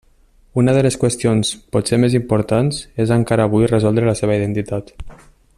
Una de les qüestions potser més importants és encara avui resoldre la seva identitat.